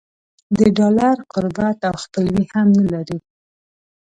د ډالر قربت او خپلوي هم نه لري.